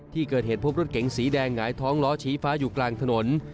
ที่เกิดเหตุพบรถเก๋งสีแดงหงายท้องล้อชี้ฟ้าอยู่กลางถนน